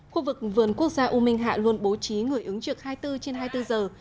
khu vực vườn quốc gia u minh hạ luôn bố trí người ứng trực hai mươi bốn trên hai mươi bốn giờ